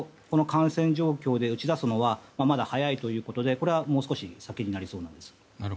この感染状況で打ち出すのはまだ早いということでこれは、もう少し先になりそうです。